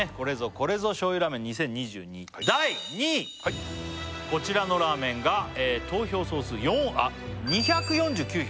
これぞ醤油ラーメン２０２２第２位こちらのラーメンが投票総数２４９票